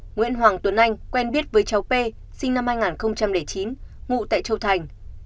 nguyễn hoàng tuấn anh quen biết với cháu p sinh năm hai nghìn chín ngụ tại châu thành